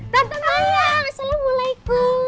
tante mayang assalamualaikum